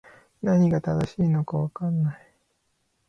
何が正しいのか分からない